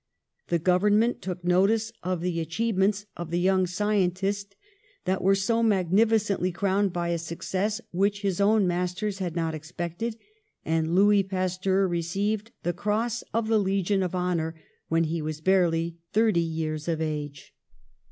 The government took notice of the achievements of the young scientist that were so magnificently crowned by a success which his own masters had not ex pected, and Louis Pasteur received the cross of the Legion of Honour when he was barely thirty years of age.